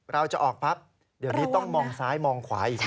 เราจะออกปั๊บเดี๋ยวนี้ต้องมองซ้ายมองขวาอีกที